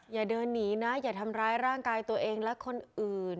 อย่าเดินหนีนะอย่าทำร้ายร่างกายตัวเองและคนอื่น